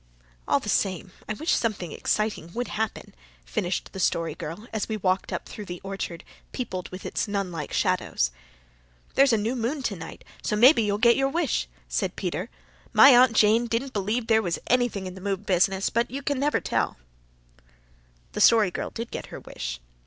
"All the same, I wish something exciting would happen," finished the Story Girl, as we walked up through the orchard, peopled with its nun like shadows. "There's a new moon tonight, so may be you'll get your wish," said Peter. "My Aunt Jane didn't believe there was anything in the moon business, but you never can tell." The Story Girl did get her wish.